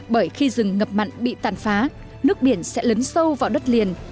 bởi khi rừng ngập mặn bị tàn phá nước biển sẽ lấn sâu vào đất liền